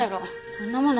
こんなもの